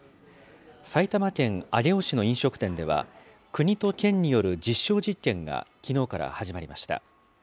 埼玉県上尾市の飲食店では、国と県による実証実験がきのうから始まりました。